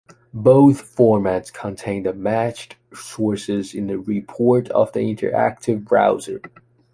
Both formats contain the matched sources in the report of the interactive browser.